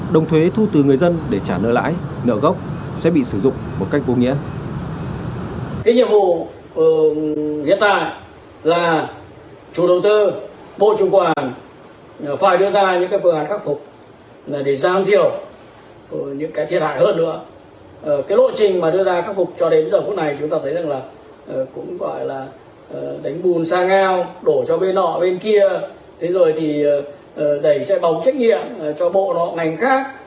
đồng thuế thu từ người dân để trả nợ lãi nợ gốc sẽ bị sử dụng một cách vô nghĩa